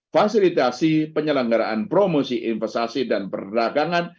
fasilitasi penyelenggaraan promosi investasi dan perdagangan